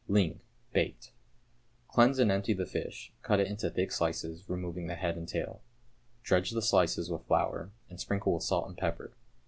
=Ling, Baked.= Cleanse and empty the fish, cut it into thick slices, removing the head and tail. Dredge the slices with flour, and sprinkle with salt and pepper.